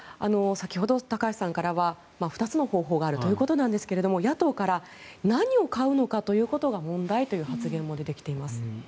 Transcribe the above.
先ほど高橋さんからは２つの方向があるということですが野党から何を買うのかということが問題という発言も出てきています。